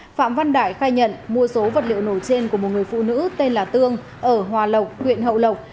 phạm văn đại khai nhận mua số vật liệu nổ trên của một người phụ nữ tên là tương ở hòa lộc huyện hậu lộc